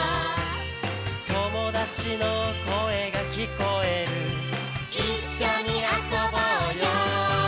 「友達の声が聞こえる」「一緒に遊ぼうよ」